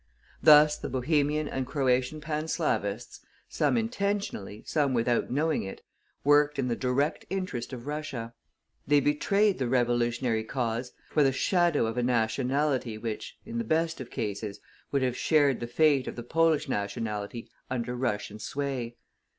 Thus, the Bohemian and Croatian Panslavists, some intentionally, some without knowing it, worked in the direct interest of Russia; they betrayed the revolutionary cause for the shadow of a nationality which, in the best of cases, would have shared the fate of the Polish nationality under Russian sway.